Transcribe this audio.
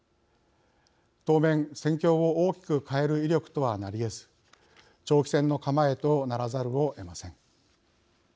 当面戦況を大きく変える威力とはなりえず長期戦の構えとならざるをえません。